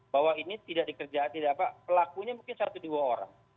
bahwa ini tidak dikerjakan pelakunya mungkin satu dua orang